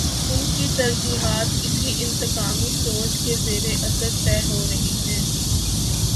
ان کی ترجیحات اسی انتقامی سوچ کے زیر اثر طے ہو رہی ہیں۔